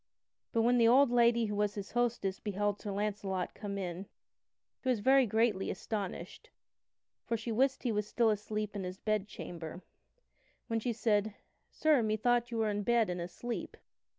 But when the old lady who was his hostess beheld Sir Launcelot come in, she was very greatly astonished, for she wist he was still asleep in his bed chamber. Wherefore she said: "Sir, methought you were in bed and asleep."